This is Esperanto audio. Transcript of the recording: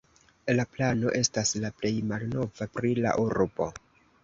La plano estas la plej malnova pri la urbo.